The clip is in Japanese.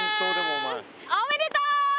おめでとう！